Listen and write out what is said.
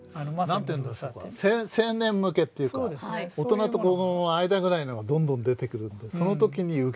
何て言うんでしょうか青年向けっていうか大人と子どもの間ぐらいのがどんどん出てくるんでその時に受けたわけですよね。